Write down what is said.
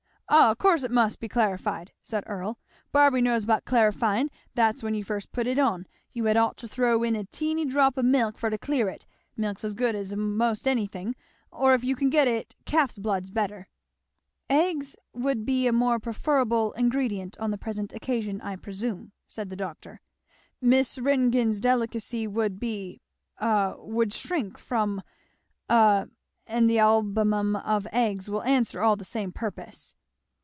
"O' course it must be clarified," said Earl, "Barby knows about clarifyin' that's when you first put it on you had ought to throw in a teeny drop o' milk fur to clear it, milk's as good as a'most anything, or if you can get it calf's blood's better " "Eggs would be a more preferable ingredient on the present occasion, I presume," said the doctor. "Miss Ringgan's delicacy would be a would shrink from a and the albumen of eggs will answer all the same purpose."